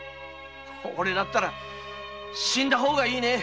おれだったら死んだ方がいいね！